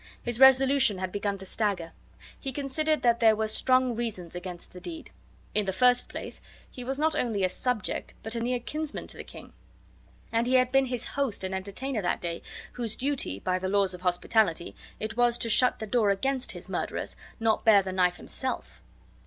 His resolution had begun to stagger. He considered that there were strong reasons against the deed. In the first place, he was not only a subject, but a near kinsman to the king; and he had been his host and entertainer that day, whose duty, by the laws of hospitality, it was to shut the door against his murderers, not bear the knife himself.